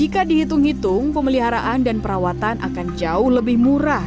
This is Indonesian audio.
menghitung hitung pemeliharaan dan perawatan akan jauh lebih murah